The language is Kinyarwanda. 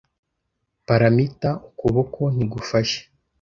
Parameter. Ukuboko ntigufashe